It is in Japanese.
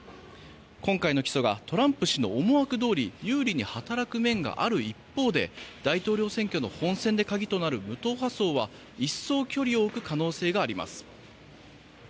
今回の起訴がトランプ氏の思惑どおり有利に働く面がある一方で大統領選挙の本選で鍵となる無党派層は一層距離を置く可能性があります。